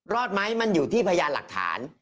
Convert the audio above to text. ลอดมั้ยมันอยู่ที่พญานหลักฐาน